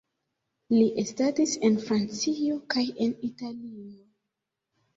Li estadis en Francio kaj en Italio.